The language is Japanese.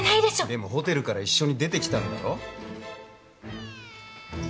でもホテルから一緒に出てきたんだろ？